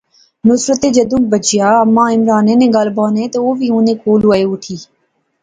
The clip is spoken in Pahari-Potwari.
نصرتا جیدوں بجیا اماں عمرانے نی گل بانے تے او وی انیں کول آئی اوٹھی